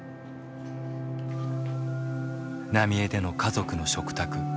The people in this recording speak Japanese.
浪江での家族の食卓。